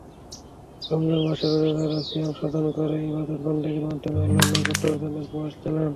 রমজান মাসে রোজাদাররা সিয়াম সাধনা করে ইবাদত-বন্দেগির মাধ্যমে আল্লাহর নৈকট্য অর্জনের প্রয়াস চালান।